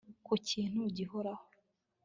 ku kintu gihoraho